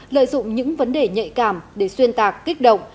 lợi dụng những vấn đề nhạy cảm để xuyên tạc kích động